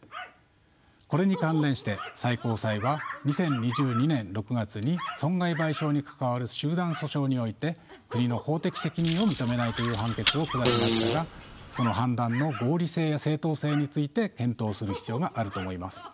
これに関連して最高裁は２０２２年６月に損害賠償に関わる集団訴訟において国の法的責任を認めないという判決を下しましたがその判断の合理性や正当性について検討する必要があると思います。